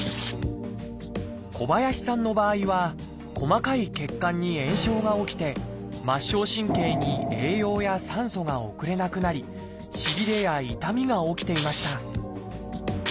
小林さんの場合は細かい血管に炎症が起きて末梢神経に栄養や酸素が送れなくなりしびれや痛みが起きていました